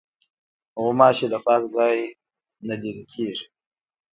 غوماشې له پاک ځای نه لیري کېږي.